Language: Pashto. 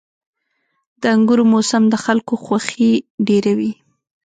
• د انګورو موسم د خلکو خوښي ډېروي.